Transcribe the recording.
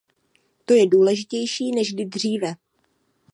To je důležitější než kdy dříve.